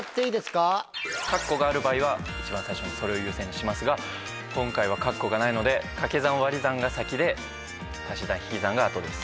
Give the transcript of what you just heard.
かっこがある場合は一番最初にそれを優先しますが今回はかっこがないのでかけ算わり算が先でたし算ひき算が後です。